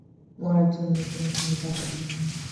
উহার জন্য কোন চিন্তা করিও না।